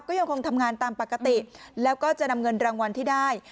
ก็ยังคงทำงานตามปกติแล้วก็จะนำเงินรางวัลที่ได้